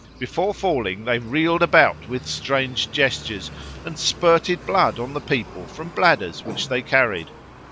Before falling they reeled about with strange gestures and spirted blood on the people from bladders which they carried.